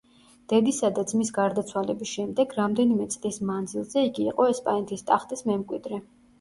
დედისა და ძმის გარდაცვალების შემდეგ, რამდენიმე წლის მანძილზე იგი იყო ესპანეთის ტახტის მემკვიდრე.